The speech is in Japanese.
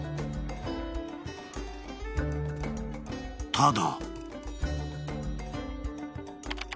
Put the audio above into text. ［ただ］